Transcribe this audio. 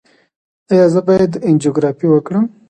ایا زه باید انجیوګرافي وکړم؟